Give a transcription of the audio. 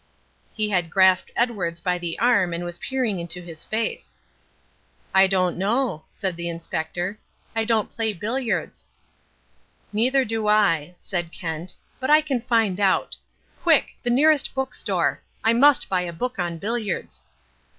He had grasped Edwards by the arm and was peering into his face. "I don't know," said the Inspector. "I don't play billiards." "Neither do I," said Kent, "but I can find out. Quick! The nearest book store. I must buy a book on billiards."